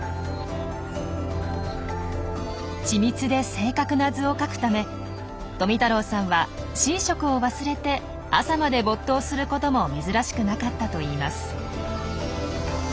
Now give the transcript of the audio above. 緻密で正確な図を書くため富太郎さんは寝食を忘れて朝まで没頭することも珍しくなかったといいます。